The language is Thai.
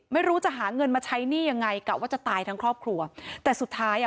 ไม่รู้จะหาเงินมาใช้หนี้ยังไงกะว่าจะตายทั้งครอบครัวแต่สุดท้ายอ่ะ